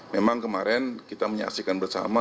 memang kemarin kita menyaksikan bersama